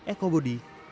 eko budi jakarta